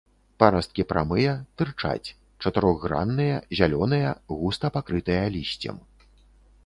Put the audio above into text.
Парасткі прамыя, тырчаць, чатырохгранныя, зялёныя, густа пакрытыя лісцем.